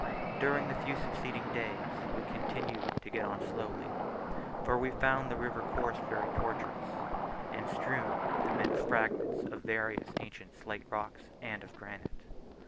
During the few succeeding days we continued to get on slowly, for we found the river course very tortuous, and strewed with immense fragments of various ancient slate rocks, and of granite.